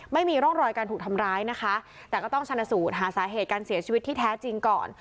ไม่มีร่องรอยการถูกทำร้ายนะคะแต่ก็ต้องชนะสูตรหาสาเหตุการเสียชีวิตที่แท้จริงก่อน